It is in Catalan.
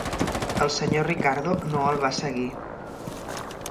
El senyor Ricardo no el va seguir.